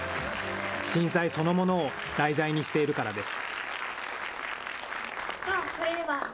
震災そのものを題材にしているからです。